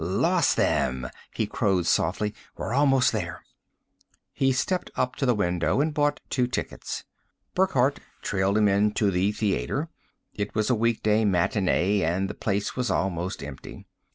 "Lost them!" he crowed softly. "We're almost there." He stepped up to the window and bought two tickets. Burckhardt trailed him in to the theater. It was a weekday matinee and the place was almost empty.